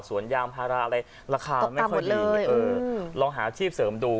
สวนยางภาระอะไรราคามันไม่ค่อยดีตกตำหมดเลยเออลองหาอาชีพเสริมดู